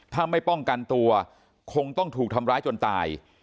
ถ้าไม่ป้องกันตัวคงต้องถูกทำร้ายจนตาย